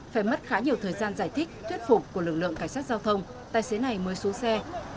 phải mất khá nhiều thời gian giải thích thuyết phục của lực lượng cảnh sát giao thông tài xế này mới xuống xe